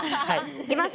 いきます！